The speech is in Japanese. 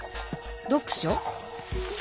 読書？